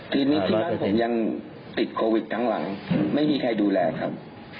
ทีนี้ที่บ้านผมยังติดโควิดทั้งหลังไม่มีใครดูแลครับ